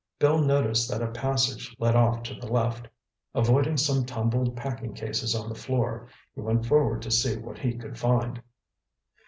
Bill noticed that a passage led off to the left. Avoiding some tumbled packing cases on the floor, he went forward to see what he could find.